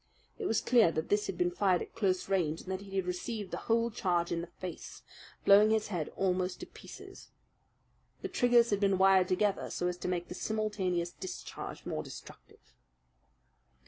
It was clear that this had been fired at close range and that he had received the whole charge in the face, blowing his head almost to pieces. The triggers had been wired together, so as to make the simultaneous discharge more destructive.